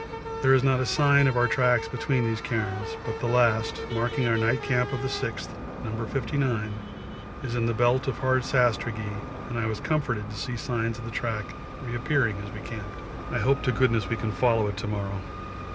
There is not a sign of our tracks between these cairns, but the last, marking our night camp of the 6th, No. 59, is in the belt of hard sastrugi, and I was comforted to see signs of the track reappearing as we camped. I hope to goodness we can follow it to morrow.